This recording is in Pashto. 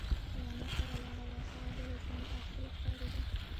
یوه نرسه ولاړه وه، هغه ډېره ځوانه او ښکلې ښکارېده.